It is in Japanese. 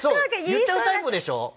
言っちゃうタイプでしょ？